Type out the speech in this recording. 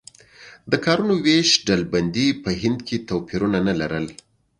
د کارونو وېش ډلبندي په هند کې توپیرونه نه لرل.